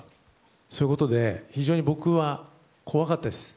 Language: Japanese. そういうことで非常に僕は怖かったです。